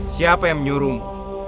siapa yang menyuruhmu